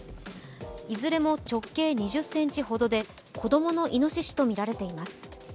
いずれも直径２０ｃｍほどで子供のいのししとみられています。